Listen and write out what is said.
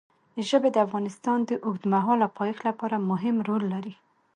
ژبې د افغانستان د اوږدمهاله پایښت لپاره مهم رول لري.